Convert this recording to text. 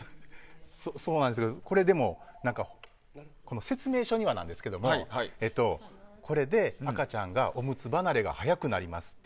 そうなんですけどでも、これ説明書にはなんですけれどもこれで、赤ちゃんがおむつ離れが早くなりますって。